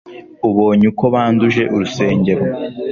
abonye uko banduje urusengero.